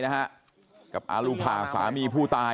ชาวบ้านในพื้นที่บอกว่าปกติผู้ตายเขาก็อยู่กับสามีแล้วก็ลูกสองคนนะฮะ